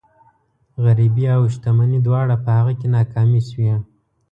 غريبي او شتمني دواړه په هغه کې ناکامې شوي.